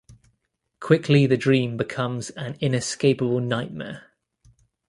Quickly the dream becomes an inescapable nightmare.